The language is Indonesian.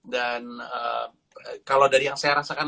dan kalau dari yang saya rasakan